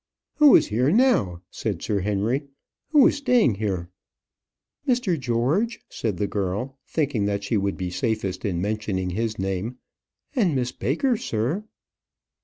"Who is here now?" said Sir Henry. "Who is staying here?" "Mr. George," said the girl, thinking that she would be safest in mentioning his name, "and Miss Baker, sir."